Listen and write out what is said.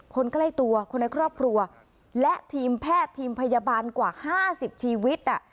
คนใกล้ตัวคนในครอบครัวและทีมแพทย์ทีมพยาบาลกว่า๕๐ชีวิต